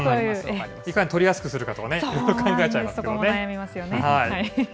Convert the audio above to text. いかに取りやすくするかとかね、悩みますよね。